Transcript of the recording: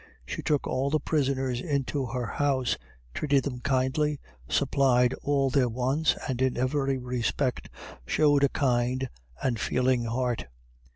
She took all the prisoners into her house, treated them kindly, supplied all their wants, and in every respect showed a kind and feeling heart.